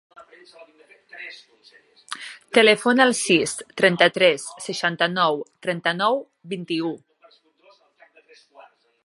Telefona al sis, trenta-tres, seixanta-nou, trenta-nou, vint-i-u.